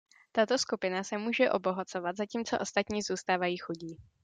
Tato skupina se může obohacovat, zatímco ostatní zůstávají chudí.